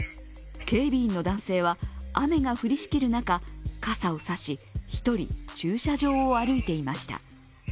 警備員の男性は雨が降りしきる中、傘を差し一人、駐車場を歩いていました。